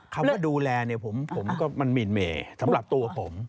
คำว่าดูแลเนี่ยผมก็มันหมินเมสำหรับตัวผม